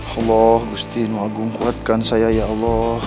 allah agustin maagung kuatkan saya ya allah